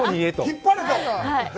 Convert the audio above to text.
引っ張れと？